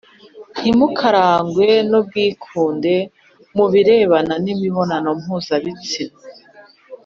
Ntimukarangwe n ubwikunde mu birebana n imibonano mpuzabitsina